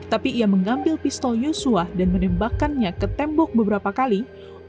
tetapi ia mengambil pistol yosua dan menembakkannya ke tempur yang berada di bagian bawah